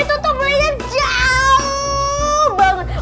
itu tuh belinya jauh banget